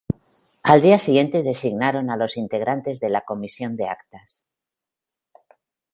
Al día siguiente designaron a los integrantes de la comisión de actas.